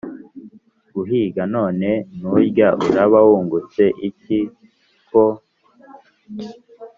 guhiga, none nundya uraba wungutse iki ko